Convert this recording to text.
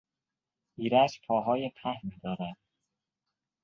ایرج پاهای پهنی دارد.